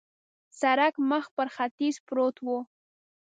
سړک مخ پر ختیځ پروت و.